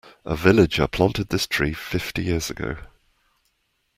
A villager planted this tree fifty years ago.